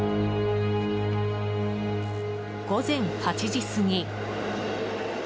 午前８時過ぎ。